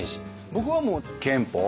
僕はもう憲法。